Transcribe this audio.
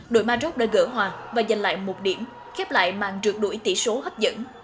đội maroc đã gỡ hòa và giành lại một điểm khép lại màn trượt đuổi tỷ số hấp dẫn